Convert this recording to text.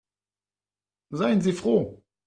Seien Sie froh.